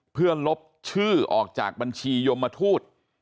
เพื่อลบชื่อออกจากบัญชียมทูต